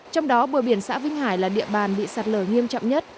trong đó bờ biển xã vinh hải là địa bàn bị sạt lở nghiêm trọng nhất